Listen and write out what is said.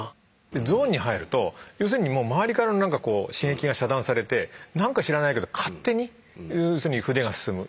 ゾーンに入ると要するにもう周りからの刺激が遮断されてなんか知らないけど勝手に筆が進む。